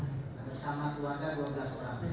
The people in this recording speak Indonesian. bersama keluarga dua belas orang